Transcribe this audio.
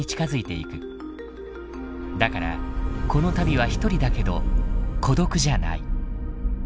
だからこの旅は一人だけど孤独じゃない。